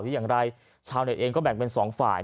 หรืออย่างไรชาวเน็ตเองก็แบ่งเป็นสองฝ่าย